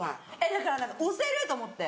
だから推せる！と思って。